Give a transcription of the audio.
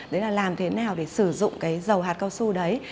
đấy là làm thế nào để sử dụng cái dầu hạt cao su đấy